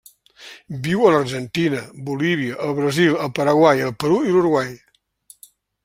Viu a l'Argentina, Bolívia, el Brasil, el Paraguai, el Perú i l'Uruguai.